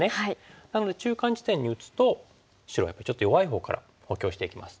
なので中間地点に打つと白はやっぱりちょっと弱いほうから補強していきます。